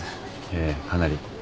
ええかなり。